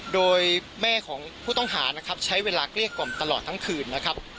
โดยแม่ของผู้ต้องหาใช้เวลาเกลียดกล่อมตลอดทั้งคืน